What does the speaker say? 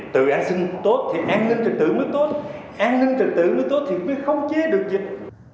từ an sinh tốt thì an ninh trình tự mới tốt an ninh trình tự mới tốt thì mới không chế được dịch